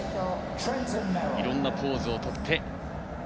いろんなポーズをとって。